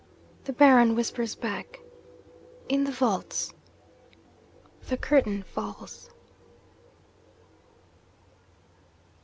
The Baron whispers back, "In the vaults!" The curtain falls.'